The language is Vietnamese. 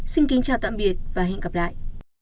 xin chào tạm biệt và hẹn gặp lại